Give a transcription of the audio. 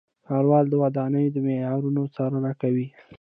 ښاروالۍ د ودانیو د معیارونو څارنه کوي.